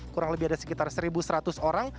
kurang lebih ada sekitar satu seratus orang